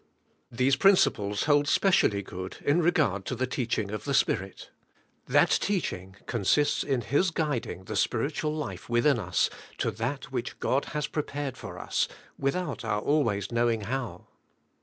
These principles hold specially good in regard to the teaching of the Spirit. That teaching consists in His guiding the spiritual life toithin us to that which God has prepared for us^ without our always knowing hoiu.